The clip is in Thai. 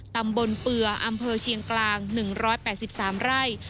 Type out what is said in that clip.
ตำบลเปลืออำเภอเชียงกลาง๑๘๓ไร่